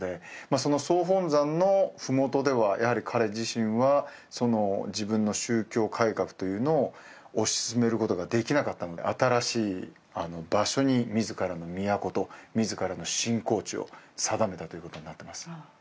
その総本山の麓ではやはり彼自身はその自分の宗教改革というのを推し進めることができなかったので新しい場所に自らの都と自らの信仰地を定めたということになってます